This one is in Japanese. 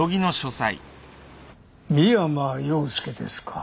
三山陽介ですか？